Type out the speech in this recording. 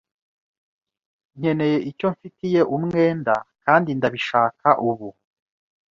nkeneye icyo mfitiye umwenda kandi ndabishaka ubu.